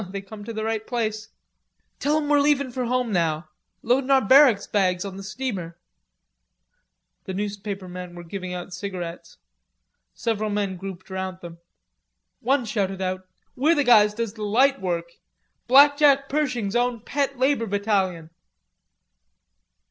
"They come to the right place." "Tell 'em we're leavin' for home now. Loadin' our barracks bags on the steamer." The newspaper men were giving out cigarettes. Several men grouped round them. One shouted out: "We're the guys does the light work. Blackjack Pershing's own pet labor battalion."